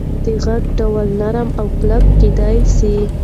د غږ ډول نرم او کلک کېدی سي.